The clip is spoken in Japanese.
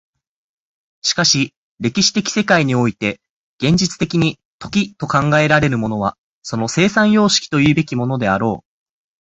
しかし歴史的世界において現実的に時と考えられるものはその生産様式というべきものであろう。